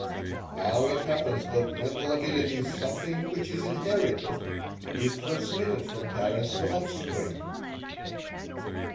Now it happens that mental ability is something which is inherited is transmitted from parent to offspring.